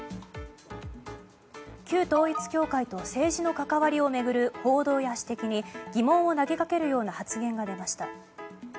旧統一教会と政治の関わりを巡る報道や指摘に疑問を投げかけるような発言が出ました。